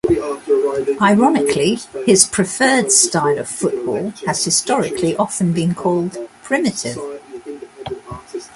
Ironically, his preferred style of football has historically often been called primitive.